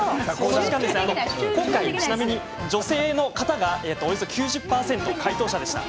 今回、ちなみに女性の方がおよそ９０％の回答者でした。